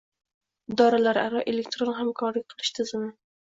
Idoralararo elektron hamkorlik qilish tizimi